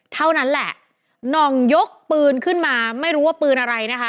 เท่านั้นแหละน่องยกปืนขึ้นมาไม่รู้ว่าปืนอะไรนะคะ